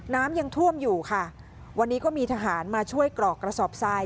น้ำยังท่วมอยู่ค่ะวันนี้ก็มีทหารมาช่วยกรอกกระสอบทราย